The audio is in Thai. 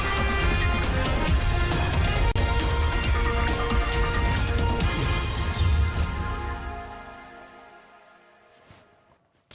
สวัสดีครับท่านผู้ชมครับ